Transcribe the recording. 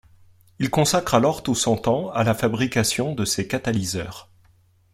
Il consacre alors tout son temps à la fabrication de ses catalyseurs.